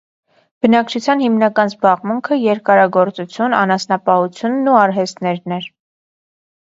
Բնակչության հիմնական զբաղմունքը երկարագործություն, անասնապահությունն ու արհեստներն էր։